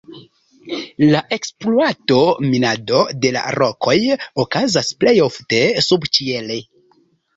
La ekspluato, minado de la rokoj okazas plej ofte subĉiele.